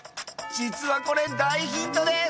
実はこれ大ヒントです